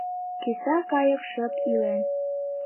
Киса кайык шып илен.